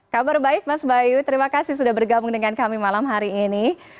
kabar baik mas bayu terima kasih sudah bergabung dengan kami malam hari ini